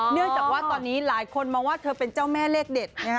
เนื่องจากว่าตอนนี้หลายคนมองว่าเธอเป็นเจ้าแม่เลขเด็ดนะฮะ